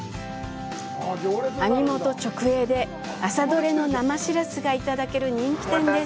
網元直営で、朝取れの生しらすがいただける人気店です。